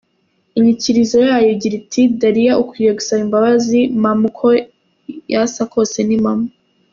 Inyikirizo yayo igira iti "Dariya ukwiriye gusaba imbabazi, mama uko yasa kose ni mama".